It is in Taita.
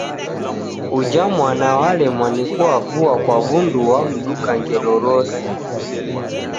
Uja mwana walemwa ni kuavua kwa w’undu w’amduka ngelo rose.